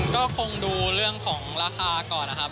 ก็คงดูเรื่องของราคาก่อนนะครับ